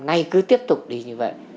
ngay cứ tiếp tục đi như vậy